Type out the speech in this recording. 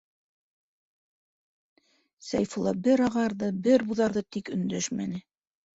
- Сәйфулла бер ағарҙы, бер буҙарҙы, тик өндәшмәне.